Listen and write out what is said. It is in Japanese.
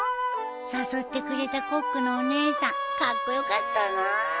誘ってくれたコックのお姉さんカッコ良かったなあ。